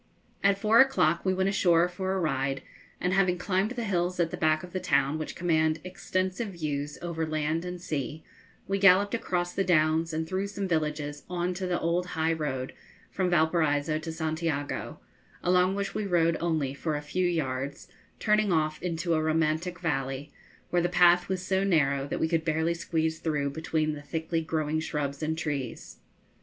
At four o'clock we went ashore for a ride, and having climbed the hills at the back of the town, which command extensive views over land and sea, we galloped across the downs and through some villages on to the old high road from Valparaiso to Santiago, along which we rode only for a few yards, turning off into a romantic valley, where the path was so narrow that we could barely squeeze through between the thickly growing shrubs and trees.